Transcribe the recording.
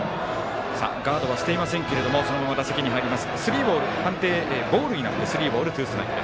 ガードはしていませんけどもそのまま打席に入ります。